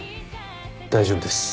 大丈夫です。